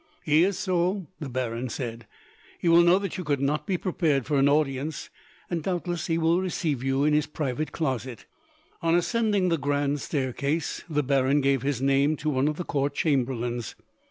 "He is so," the baron said. "He will know that you could not be prepared for an audience, and doubtless he will receive you in his private closet." On ascending the grand staircase, the baron gave his name to one of the court chamberlains.